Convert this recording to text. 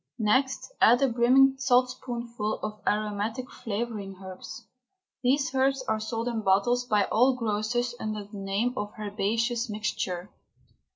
Next add a brimming saltspoonful of aromatic flavouring herbs. These herbs are sold in bottles by all grocers under the name of Herbaceous Mixture.